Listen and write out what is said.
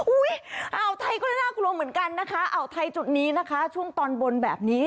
อ่าวไทยก็น่ากลัวเหมือนกันนะคะอ่าวไทยจุดนี้นะคะช่วงตอนบนแบบนี้